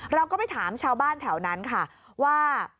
เราก็ไปถามชาวบ้านแถวนั้นค่ะว่า